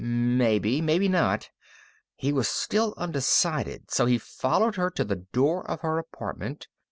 Maybe. Maybe not. He was still undecided, so he followed her to the door of her apartment.